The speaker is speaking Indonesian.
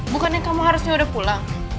bukannya kamu harusnya udah pulang